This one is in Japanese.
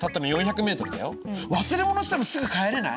忘れ物してもすぐ帰れない？